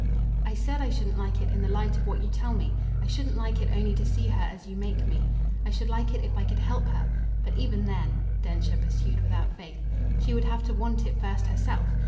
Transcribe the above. "I said I shouldn't like it in the light of what you tell me. I shouldn't like it only to see her as you make me. I should like it if I could help her. But even then," Densher pursued without faith, "she would have to want it first herself.